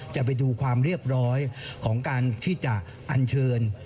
จะไปดูความเรียบร้อยของการที่จะอันเชิญ